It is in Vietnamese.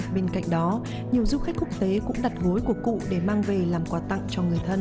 bên cạnh đó nhiều du khách quốc tế cũng đặt gối của cụ để mang về làm quà tặng cho người thân